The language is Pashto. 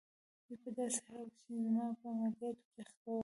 دوی په داسې حال کې چي زما په عملیاتو اخته ول.